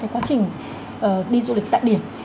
cái quá trình đi du lịch tại điểm